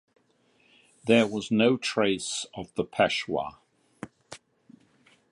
But there was no trace of the Peshwa.